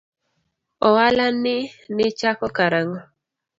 Oala ni nichako kar ang'o?